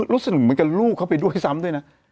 แล้วสนุกเหมือนกับลูกเขาไปด้วยซ้ำด้วยนะ